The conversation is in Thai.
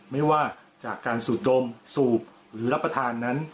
ไม่ว่าจากการสูดดมสูบหรือรับประทานนั้น